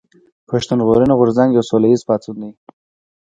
پښتون ژغورني غورځنګ يو سوله ايز پاڅون دي